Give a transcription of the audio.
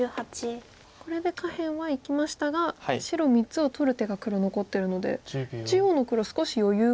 これで下辺は生きましたが白３つを取る手が黒残ってるので中央の黒少し余裕ができますか。